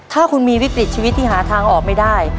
ถ้าคุณมีวิกฤตชีวิตที่หาทางออกไม่ได้